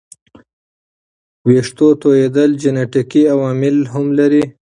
ویښتو توېیدل جنیټیکي عوامل هم لري.